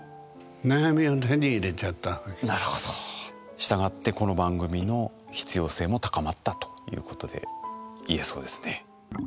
したがってこの番組の必要性も高まったということで言えそうですね。